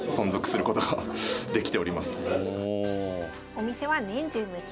お店は年中無休。